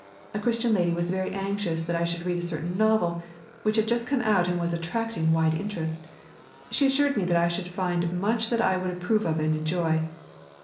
A Christian lady was very anxious that I should read a certain novel, which had just come out and was attracting wide interest. She assured me that I should find much that I would approve of and enjoy.